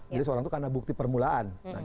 jadi seorang itu karena bukti permulaan